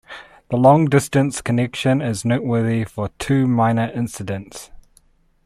The long distance connection is noteworthy for two minor incidents.